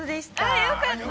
◆あ、よかった！